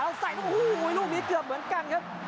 เอาใส่ลูกโอ้โหลูกนี้เกือบเหมือนกันครับ